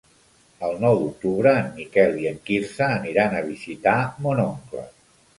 El nou d'octubre en Miquel i en Quirze aniran a visitar mon oncle.